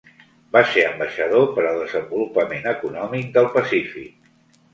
Va ser ambaixador per al desenvolupament econòmic del Pacífic.